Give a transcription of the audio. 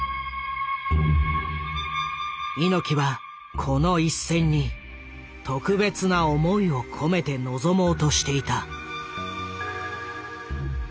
猪木はこの一戦に特別な思いを込めて臨もうとしていた。